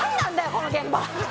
この現場！